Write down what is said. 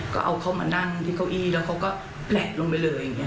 ก็เอาเขามานั่งที่เข้าอี้แล้วเขาก็แปลกลงไปเลย